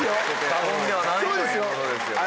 過言ではないということですよね。